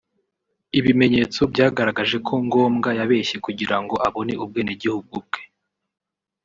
Ibimenyetso byagaragaje ko Ngombwa yabeshye kugira ngo abone ubwenegihugu bwe